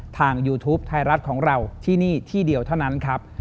ยูทูปไทยรัฐของเราที่นี่ที่เดียวเท่านั้นครับ